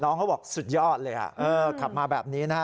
เขาบอกสุดยอดเลยขับมาแบบนี้นะฮะ